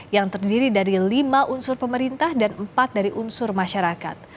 yang terdiri dari lima unsur pemerintah dan empat dari unsur masyarakat